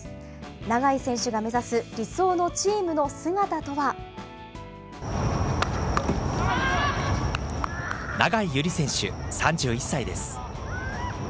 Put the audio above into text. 永井選手が目指す理想のチームの永井友理選手３１歳です。